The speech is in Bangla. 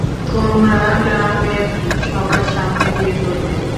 তোমরা গ্রামের সবার সামনে বিয়ে করবে?